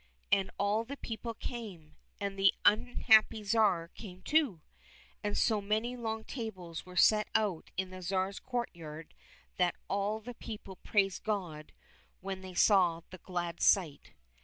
And all the people came, and the un happy Tsar came too. And so many long tables were set out in the Tsar's courtyard that all the people praised God when they saw the glad sight.